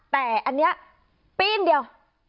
แต่อันนี้ปีนเดียว